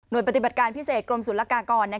หน่วยปฏิบัติการพิเศษกรมศูนย์ละกากร